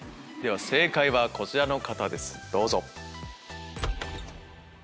正解はこちらの方ですどうぞ。